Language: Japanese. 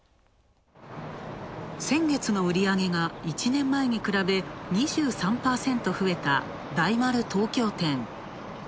先月の売り上げが１年前に比べ、２３％増えた大丸東京店。